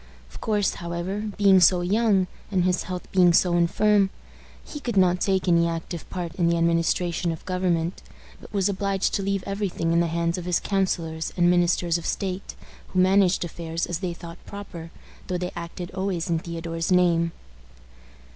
Of course, however, being so young, and his health being so infirm, he could not take any active part in the administration of government, but was obliged to leave every thing in the hands of his counselors and ministers of state, who managed affairs as they thought proper, though they acted always in Theodore's name.